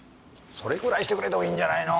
それぐらいしてくれてもいいんじゃないの？